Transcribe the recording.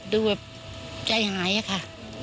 ดูแบบใจหายอะค่ะ